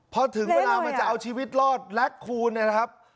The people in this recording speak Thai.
เผาถึงเวลามันจะเอาชีวิตรอดแร็กคูนะครับ